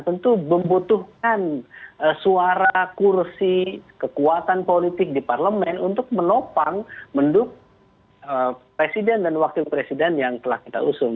tentu membutuhkan suara kursi kekuatan politik di parlemen untuk menopang mendukung presiden dan wakil presiden yang telah kita usung